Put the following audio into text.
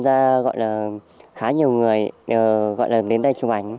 gọi là khá nhiều người đến đây chụp ảnh